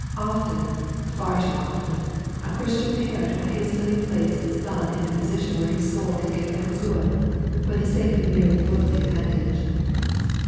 Often, far too often, a Christian parent will hastily j)lace his son in a position where his soul can get no good, for the sake of mere worldly advantage.